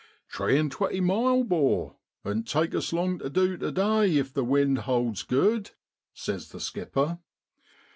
' Tree and twenty miles, 'bor, oan't take us long tu du tu day if the wind holds good,' says the skipper.